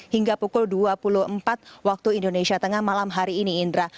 hingga pukul dua puluh empat waktu indonesia tengah malam hari ini indra